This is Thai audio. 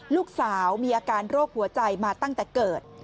ลูกสาวมีอาการโรคหัวใจมาตั้งแต่เกิด